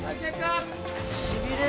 しびれる！